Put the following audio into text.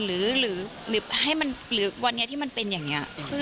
หรือวันนี้ที่มันเป็นอย่างนี้